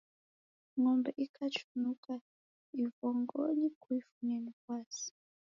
Ng'ombe ikachunuka ivongonyi, kuifunya ni w'asi.